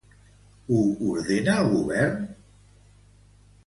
Ho ordena el govern?